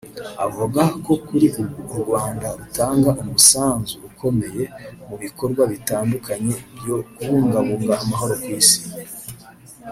Avuga ko kuri ubu u Rwanda rutanga umusanzu ukomeye mu bikorwa bitandukanye byo kubungabunga amahoro ku Isi